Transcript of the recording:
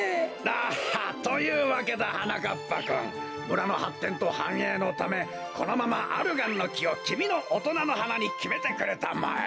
だはっ！というわけだはなかっぱくん村のはってんとはんえいのためこのままアルガンのきをきみのおとなのはなにきめてくれたまえ。